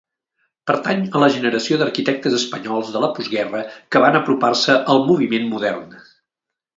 Pertany a la generació d'arquitectes espanyols de la postguerra que van apropar-se al moviment modern.